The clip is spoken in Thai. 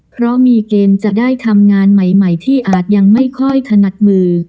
เพราะมีเกณฑ์จะได้ทำงานใหม่ที่อาจยังไม่ค่อยถนัดมือ